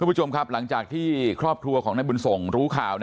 ผู้ชมครับหลังจากที่ครอบครัวของนายบุญส่งรู้ข่าว